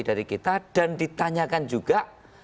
dari kita dan ditanyakan juga